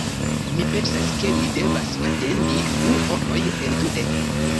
Mi pensas ke mi devas atendi du horoj entute